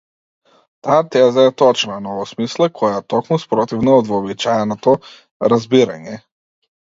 Таа теза е точна, но во смисла која е токму спротивна од вообичаеното разбирање.